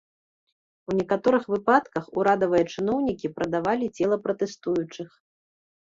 У некаторых выпадках урадавыя чыноўнікі прадавалі цела пратэстуючых.